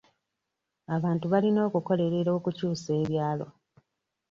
Abantu balina okukolerera okukyusa ebyalo.